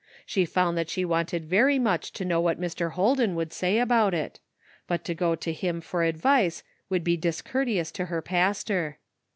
She found that she wanted very much to know what Mr. Holden would say about it ; but to go to him for advice would be discourteous to her pastor.